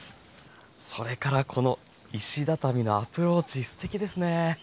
それからこの石畳のアプローチすてきですね。